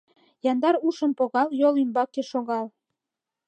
Яндар ушым погал, Йол ӱмбаке шогал.